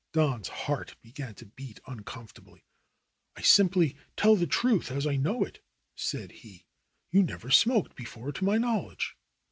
Don's heart began to beat uncomfortably. simply tell the truth as I know it," said he. '^You never smoked before to my knowledge."